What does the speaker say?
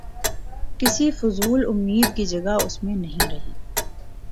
کسی فضول امید کی جگہ اس میں نہیں رہی۔